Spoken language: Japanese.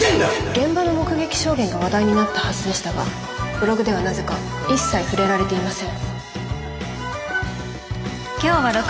現場の目撃証言が話題になったはずでしたがブログではなぜか一切触れられていません。